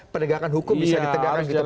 pernegakan hukum bisa ditegakkan gitu pak